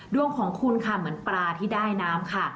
ดวงของคุณค่ะเหมือนปลาที่ได้น้ำค่ะ